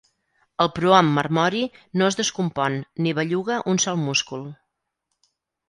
El prohom marmori no es descompon ni belluga un sol múscul.